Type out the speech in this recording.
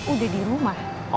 udah di rumah